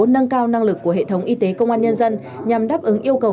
nâng cao năng lực của hệ thống y tế công an nhân dân nhằm đáp ứng yêu cầu